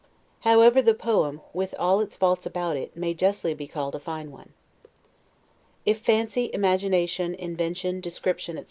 However, the poem, with all its faults about it, may justly be called a fine one. If fancy, imagination, invention, description, etc.